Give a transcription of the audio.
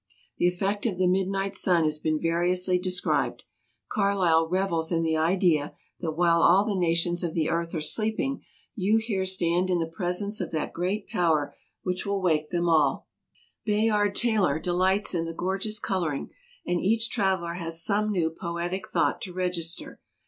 The effect of the midnight sun has been variously de scribed. Carlyle revels in the idea that while all the nations of the earth are sleeping, you here stand in the presence of EUROPE 225 that great power which will wake them all ; Bayard Taylor delights in the gorgeous coloring ; and each traveler has some new poetic thought to register.